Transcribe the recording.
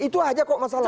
itu aja kok masalahnya